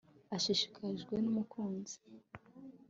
Ashishikajwe numuziki